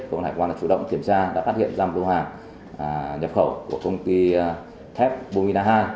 công an hải quan đã chủ động kiểm tra đã phát hiện ra lô hàng nhập khẩu của công ty thép bumina hai